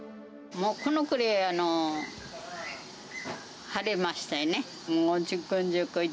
もうこのくらい腫れましたよね。